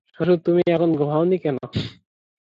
শ্বশুর, তুমি এখনো ঘুমাওনি কেন?